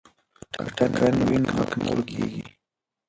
که ټاکنې وي نو حق نه ورک کیږي.